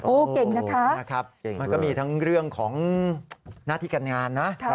โอ้เก่งนะครับนะครับมันก็มีทั้งเรื่องของหน้าที่การงานนะ